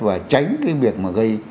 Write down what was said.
và tránh cái việc mà gây